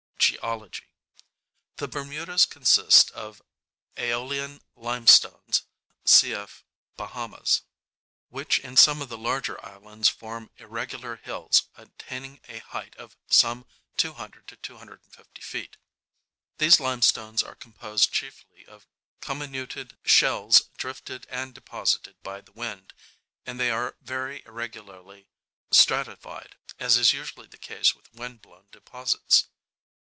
Geology.—The Bermudas consist of aeolian limestones (cf. Bahamas) which in some of the larger islands form irregular hills attaining a height of some 200 250 ft. These limestones are composed chiefly of comminuted shells drifted and deposited by the wind, and they are very irregularly stratified, as is usually the case with wind blown deposits.